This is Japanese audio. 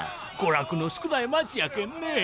娯楽の少ない町やけんねえ。